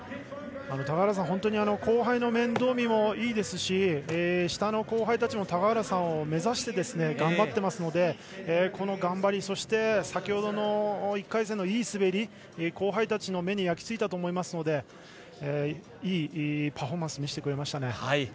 高原さんは後輩の面倒見もいいですし下の後輩たちも高原さんを目指して頑張っていますのでこの頑張り、そして先ほどの１回戦のいい滑りは後輩たちの目に焼きついたと思いますのでいいパフォーマンスを見せてくれましたね。